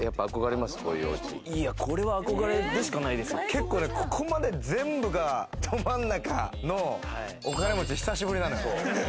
結構ここまで全部が、ど真ん中のお金持ち、久しぶりなのよ。